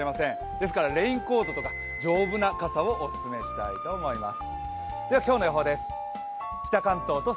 ですからレインコートとか丈夫な傘をオススメしたいと思います。